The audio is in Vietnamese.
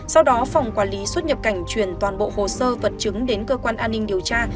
sau đó phòng quản lý xuất nhập cảnh chuyển toàn bộ hồ sơ vật chứng đến cơ quan an ninh điều tra